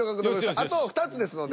あと２つですので。